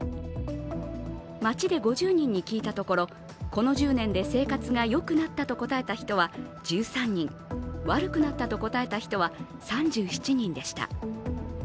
街で５０人に聞いたところ、この１０年で生活がよくなったと答えた人は１３人、悪くなったと答えた人は３７人でした。